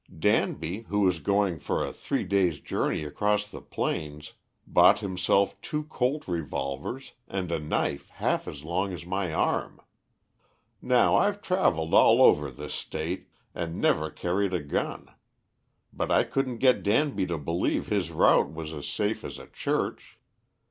Danby, who was going for a three days' journey across the plains, bought himself two Colts revolvers, and a knife half as long as my arm. Now I've travelled all over this State, and never carried a gun, but I couldn't get Danby to believe his route was as safe as a church.